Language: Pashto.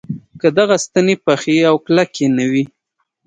که دغه ستنې پخې او کلکې نه وي.